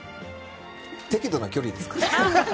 適度な距離ですかね。